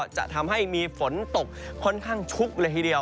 จะทำให้มีฝนตกค่อนข้างชุกเลยทีเดียว